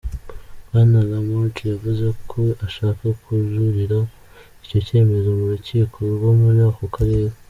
Bwana Lamart yavuze ko ashaka kujuririra icyo cyemezo mu rukiko rwo muri ako karere.